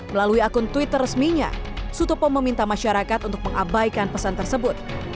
melalui akun twitter resminya sutopo meminta masyarakat untuk mengabaikan pesan tersebut